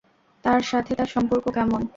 তার সাথে তার সম্পর্ক কেমন?